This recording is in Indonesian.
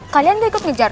kalian gak ikut ngejar